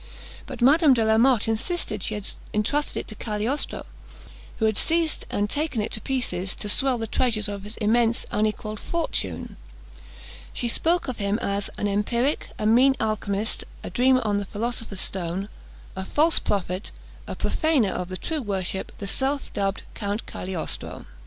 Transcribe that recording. But Madame de la Motte insisted that she had entrusted it to Cagliostro, who had seized and taken it to pieces, to "swell the treasures of his immense unequalled fortune." She spoke of him as "an empiric, a mean alchymist, a dreamer on the philosopher's stone, a false prophet, a profaner of the true worship, the self dubbed Count Cagliostro!"